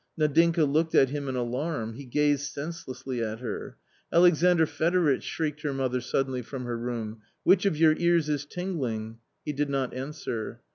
Nadinka looked at him in alarm. He gazed senselessly at her. "Alexandr Fedoritch!" shrieked her mother suddenly from her room, "which of your ears is tingling?" He did not answer.